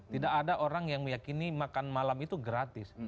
tidak ada orang yang meyakini makan malam itu gratis